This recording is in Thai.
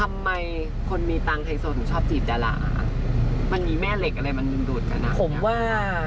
ไม่ควรมีตังค์เงินชอบดารามันมีแม่เหล็กเลยมันดูดกันกันผมว่า